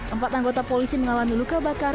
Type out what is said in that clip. empat anggota polisi mengalami luka bakar